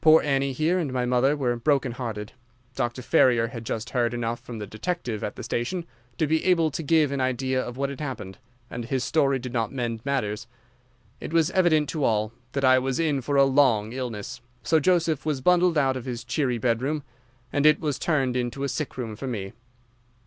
Poor Annie here and my mother were broken hearted. Dr. Ferrier had just heard enough from the detective at the station to be able to give an idea of what had happened, and his story did not mend matters. It was evident to all that I was in for a long illness, so Joseph was bundled out of this cheery bedroom, and it was turned into a sick room for me.